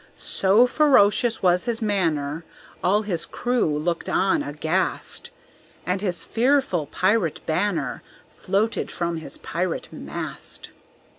So ferocious was his manner All his crew looked on, aghast; And his fearful pirate banner Floated from his pirate mast.